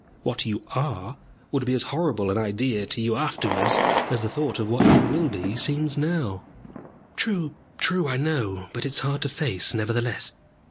What you are would be as horrible an idea to you afterwards as the thought of what you will be seems now." "True, true. I know it. But it is hard to face, nevertheless."